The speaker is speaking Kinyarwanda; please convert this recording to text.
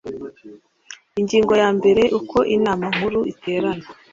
ingingo ya mbere uko inama nkuru iterana